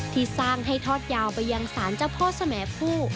ที่สร้างให้ทอดยาวไปยังศาลเจ้าพ่อสมผู้